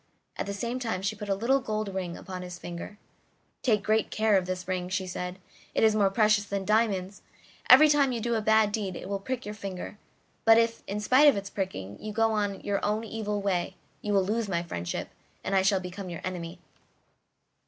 At the same time she put a little gold ring upon his finger. "Take great care of this ring," she said: "it is more precious than diamonds; every time you do a bad deed it will prick your finger, but if, in spite of its pricking, you go on in your own evil way, you will lose my friendship, and I shall become your enemy."